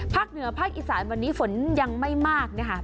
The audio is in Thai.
เหนือภาคอีสานวันนี้ฝนยังไม่มากนะคะ